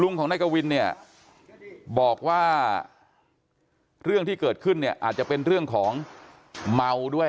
ของนายกวินเนี่ยบอกว่าเรื่องที่เกิดขึ้นเนี่ยอาจจะเป็นเรื่องของเมาด้วย